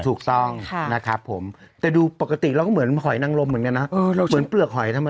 ถูกต้องนะครับผมแต่ดูปกติเราก็เหมือนหอยนังลมเหมือนกันนะเหมือนเปลือกหอยทำไม